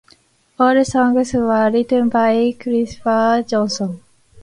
All songs were written by Christofer Johnsson.